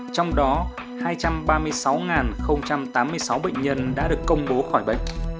trong đó hai trăm ba mươi sáu tám mươi sáu bệnh nhân đã được công bố khỏi bệnh